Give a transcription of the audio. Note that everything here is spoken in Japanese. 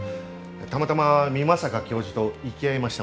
たまたま美作教授と行き合いましたもので。